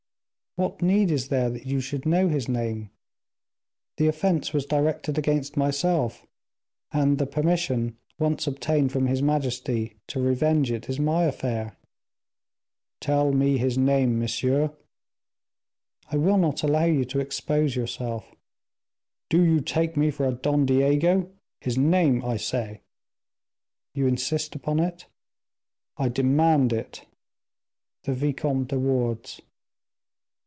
"What need is there that you should know his name; the offense was directed against myself, and the permission once obtained from his majesty, to revenge it is my affair." "Tell me his name, monsieur." "I will not allow you to expose yourself." "Do you take me for a Don Diego? His name, I say." "You insist upon it?" "I demand it." "The Vicomte de Wardes."